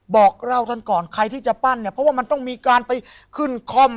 บอกเล่าท่านก่อนใครที่จะปั้นเนี่ยเพราะว่ามันต้องมีการไปขึ้นคอม